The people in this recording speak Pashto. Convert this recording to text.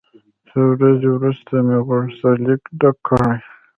څو ورځې وروسته مې غوښتنلیک ډک کړ.